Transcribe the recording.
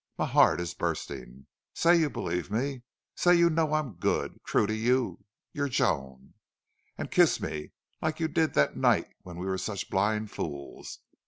My heart is bursting.... Say you believe me! Say you know I'm good true to you your Joan!... And kiss me like you did that night when we were such blind fools.